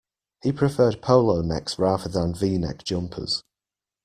He preferred polo necks rather than V-neck jumpers